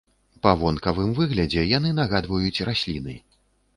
Па вонкавым выглядзе яны нагадваюць расліны.